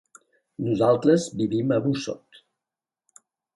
Nosaltres vivim a Busot.